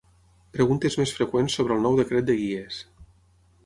Preguntes més freqüents sobre el nou Decret de guies.